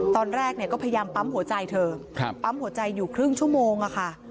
ตอนแรกก็พยายามปั๊มหัวใจเธอปั๊มหัวใจอยู่ครึ่งชั่วโมงค่ะ